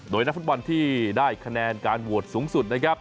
โดยนักฟุตบอลที่ได้คะแนนการโหวตสูงสุดนะครับ